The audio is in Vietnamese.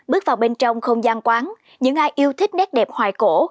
bước vào bên trong không gian quán những ai yêu thích nét đẹp hoài cổ